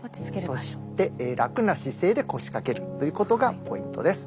そして楽な姿勢で腰掛けるということがポイントです。